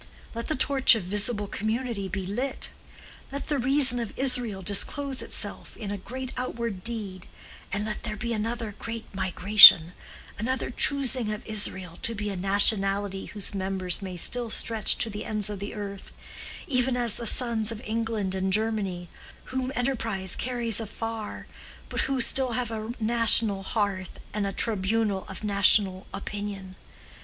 Let the torch of visible community be lit! Let the reason of Israel disclose itself in a great outward deed, and let there be another great migration, another choosing of Israel to be a nationality whose members may still stretch to the ends of the earth, even as the sons of England and Germany, whom enterprise carries afar, but who still have a national hearth and a tribunal of national opinion.